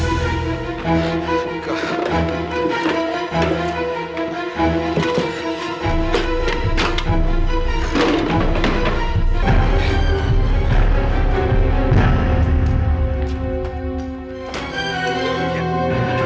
wajib dayang sama bapak